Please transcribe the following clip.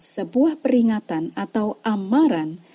sebuah peringatan atau amal